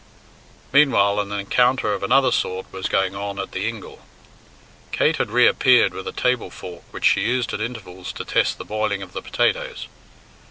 Meanwhile an encounter of another sort was going on at the ingle. Kate had re appeared with a table fork which she used at intervals to test the boiling of the potatoes.